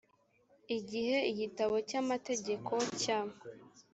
igihe igitabo cy amategeko cya